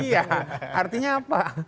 iya artinya apa